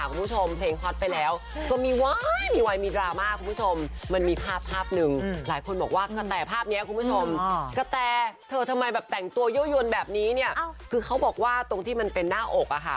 คุณผู้ชมเพลงฮอตไปแล้วก็มีวัยมีวัยมีดราม่าคุณผู้ชมมันมีภาพภาพหนึ่งหลายคนบอกว่ากระแต่ภาพนี้คุณผู้ชมกระแต่เธอทำไมแบบแต่งตัวยั่วยวนแบบนี้เนี่ยคือเขาบอกว่าตรงที่มันเป็นหน้าอกอะค่ะ